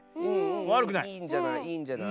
わるくない。